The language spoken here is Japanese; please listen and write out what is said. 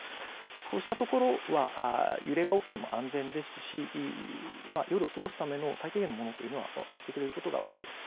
そうしたところは揺れが起きても安全ですし夜を過ごすための最低限のものを用意してくれることが多いです。